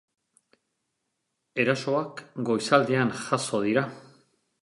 Erasoak goizaldean jazo dira.